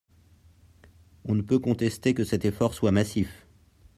On ne peut contester que cet effort soit massif.